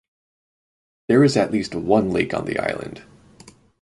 There is at least one lake on the island.